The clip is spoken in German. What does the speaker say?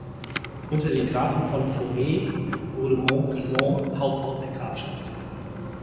Unter den Grafen von Forez wurde Montbrison Hauptort der Grafschaft.